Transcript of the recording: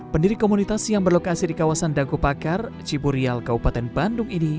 pendiri komunitas yang berlokasi di kawasan dagopakar ciburial kabupaten bandung ini